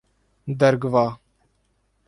Dargwa